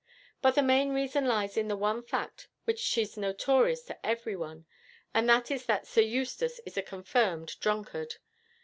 But the main reason lies in the one fact, which is notorious to everyone, and that is that Sir Eustace was a confirmed drunkard.